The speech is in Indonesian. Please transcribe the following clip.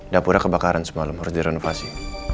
dapura kebakaran semalam harus direnovasi